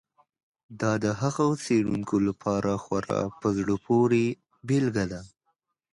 دا د هغو څېړونکو لپاره خورا په زړه پورې بېلګه ده.